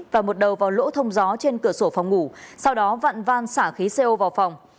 và một đầu vào lỗ thông gió trên cửa sổ phòng ngủ sau đó vặn van xả khí co vào phòng